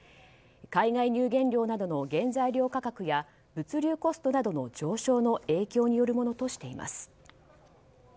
海外乳原料などの原材料価格や物流コストなどの上昇の影響によるものとしています。